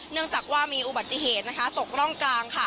เนื่องจากว่ามีอุบัติเหตุตกร่องกลาง